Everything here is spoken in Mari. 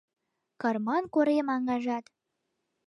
Карман корем аҥажат